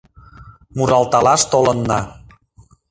Муралталаш толынна